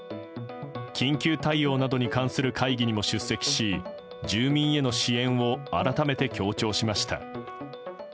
緊急対応などに関する会議にも出席し住民への支援を改めて強調しました。